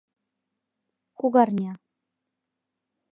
— кугарня.